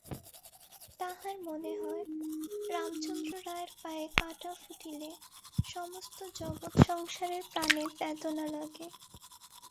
তাঁহার মনে হয়, রামচন্দ্র রায়ের পায়ে কাঁটা ফুটিলে সমস্ত জগৎসংসারের প্রাণে বেদনা লাগে।